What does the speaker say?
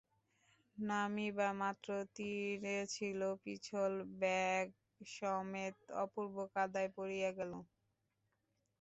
নামিবামাত্র, তীরে ছিল পিছল, ব্যাগসমেত অপূর্ব কাদায় পড়িয়া গেল।